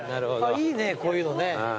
いいねこういうのね。